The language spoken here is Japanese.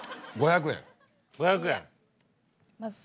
５００円。